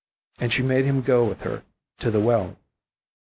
And she made him go with her to the well.